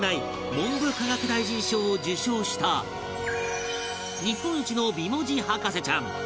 文部科学大臣賞を受賞した日本一の美文字博士ちゃん